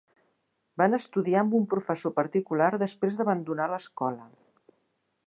Van estudiar amb un professor particular després d'abandonar l'escola.